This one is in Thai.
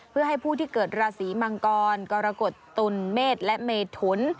เพื่อให้ผู้ที่เกิดราศีมังกรกรกฎตุลเมษและเมถุน